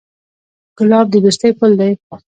ګلاب د دوستۍ پُل دی.